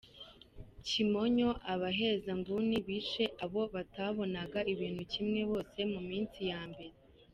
Kimonyo: Abahezanguni bishe abo batabonaga ibintu kimwe bose mu minsi ya mbere.